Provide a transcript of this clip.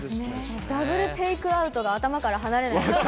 ダブルテイクアウトが頭から離れないです。